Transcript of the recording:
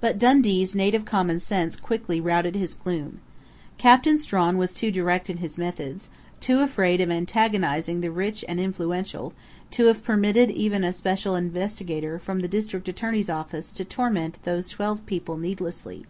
But Dundee's native common sense quickly routed his gloom. Captain Strawn was too direct in his methods, too afraid of antagonizing the rich and influential, to have permitted even a "special investigator" from the district attorney's office to torment those twelve people needlessly.